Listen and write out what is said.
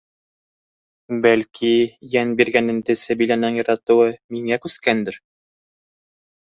Бәлки, йән биргәнендә Сәбиләнең яратыуы миңә күскәндер...